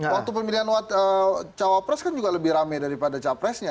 waktu pemilihan cawapres kan juga lebih rame daripada capresnya